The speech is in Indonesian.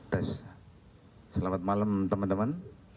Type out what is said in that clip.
tes selamat malam teman teman